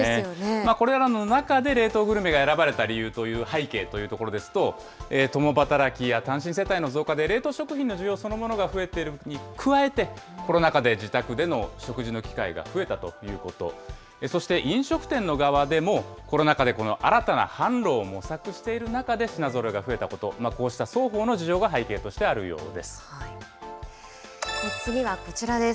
これらの中で、冷凍グルメが選ばれた理由という背景というところですと、共働きや単身世帯の増加で、冷凍食品の需要そのものが増えているに加えて、コロナ禍で自宅での食事の機会が増えたということ、そして飲食店の側でも、コロナ禍で、この新たな販路を模索している中で、品ぞろえが増えたこと、こうした双方の事情が背次はこちらです。